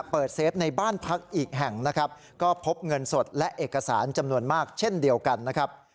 เฟฟในบ้านพักอีกแห่งนะครับก็พบเงินสดและเอกสารจำนวนมากเช่นเดียวกันนะครับ